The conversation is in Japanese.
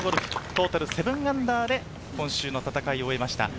トータル−７で今週の戦いを終えました。